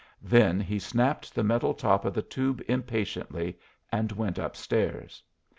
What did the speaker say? Then he snapped the metal top of the tube impatiently, and went up stairs.